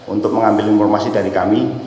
untuk mengambil informasi dari kami